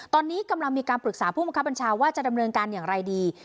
ตอนนี้กำลังมีการปรึกษาผู้บังคับบัญชาว่าจะดำเนินการอย่างไรดี